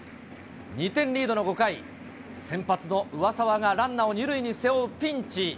２点リードの５回、先発の上沢がランナーを２塁に背負うピンチ。